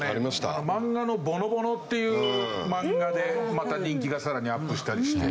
漫画の『ぼのぼの』っていう漫画でまた人気がさらにアップしたりして。